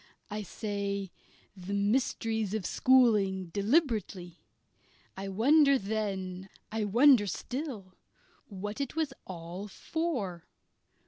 I say "the mysteries of schooling" deliberately. I wondered then, I wonder still, what it was all for.